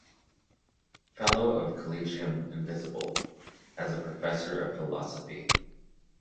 Fellow of Collegium Invisibile as a professor of philosophy.